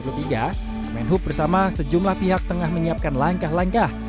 kemenhub bersama sejumlah pihak tengah menyiapkan langkah langkah